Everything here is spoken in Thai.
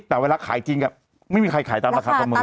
แต่เวลาขายจริงไม่มีใครขายตามราคาประเมิน